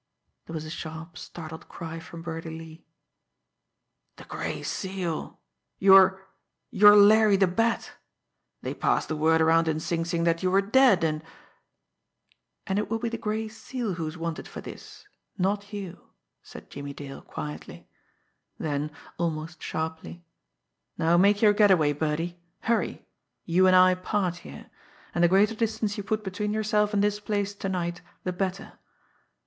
There was a sharp, startled cry from Birdie Lee. "The Gray Seal! You're you're Larry the Bat! They passed the word around in Sing Sing that you were dead, and " "And it will be the Gray Seal who is wanted for this not you," said Jimmie Dale quietly. Then, almost sharply: "Now make your get away, Birdie. Hurry! You and I part here. And the greater distance you put between yourself and this place to night the better."